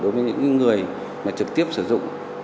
đối với những người trực tiếp sử dụng